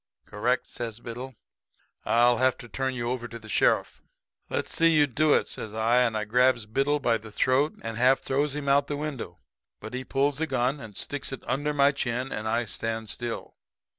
"'Correct,' says Biddle. 'I'll have to turn you over to the sheriff.' "'Let's see you do it,' says I, and I grabs Biddle by the throat and half throws him out the window, but he pulls a gun and sticks it under my chin, and I stand still.